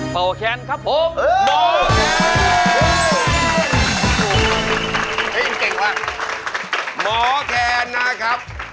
เป้าแค้นครับผม